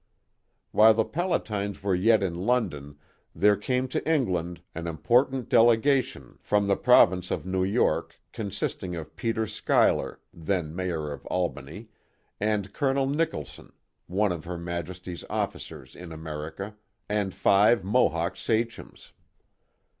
While the Palatines were yet in London there came to England an important delegation from the province of New Immigration and Settlement of Palatines 8i York, consisting of Peter Schuyler, then Mayor of Albany, and Colonel Nicholson, one of Her Majesty's officers in Ameiica, and five Mohawk sachems.